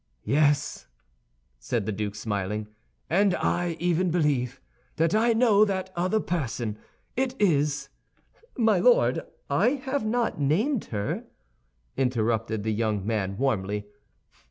"Yes," said the duke, smiling, "and I even believe that I know that other person; it is—" "My Lord, I have not named her!" interrupted the young man, warmly.